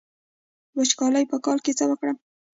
د وچکالۍ په کال کې څه وکړم؟